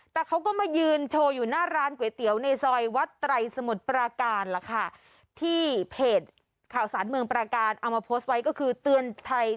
แต่เขาก็มายืนโชว์อยู่หน้าร้านก๋วยเตี๋ยวในซอยวัดไตรสมุทรปราการล่ะค่ะที่เพจข่าวสารเมืองปราการเอามาโพสต์ไว้ก็คือเตือนไทย